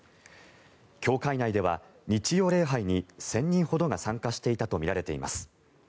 教会内では日曜礼拝に１０００人ほどが参加していたとみられています。